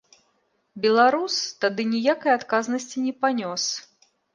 Беларус тады ніякай адказнасці не панёс.